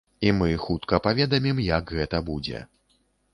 І мы хутка паведамім, як гэта будзе.